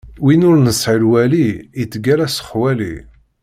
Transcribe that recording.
Win ur nesɛi lwali, ittgalla s xwali.